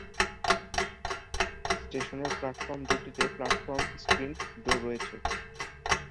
স্টেশনের প্ল্যাটফর্ম দুটিতে platform screen door রয়েছে।